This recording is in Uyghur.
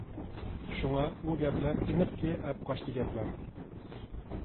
شۇڭا ئۇ گەپلەر ئېنىقكى ئەپقاچتى گەپلەر.